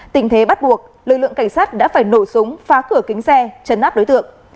tình thế bắt buộc lực lượng cảnh sát đã phải nổ súng phá cửa kính xe chấn áp đối tượng